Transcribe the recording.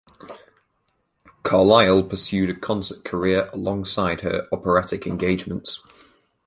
Carlyle pursued a concert career alongside her operatic engagements.